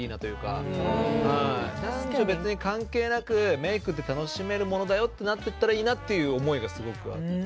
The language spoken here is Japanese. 別に関係なくメイクって楽しめるものだよってなってったらいいなっていう思いがすごくあって。